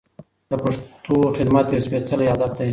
د پښتو خدمت یو سپېڅلی هدف دی.